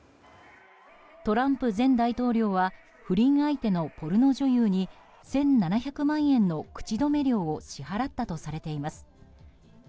トランプ前大統領は不倫相手のポルノ女優に１７００万円の口止め料を支払ったとされています。